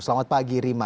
selamat pagi rima